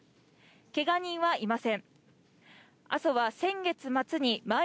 けが人はいません。